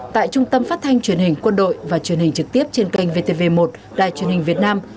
tại trung tâm phát thanh truyền hình quân đội và truyền hình trực tiếp trên kênh vtv một đài truyền hình việt nam